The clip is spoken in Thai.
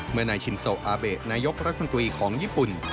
นายชินโซอาเบะนายกรัฐมนตรีของญี่ปุ่น